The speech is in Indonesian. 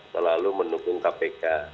selalu mendukung kpk